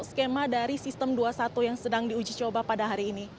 skema dari sistem dua puluh satu yang sedang diuji coba pada hari ini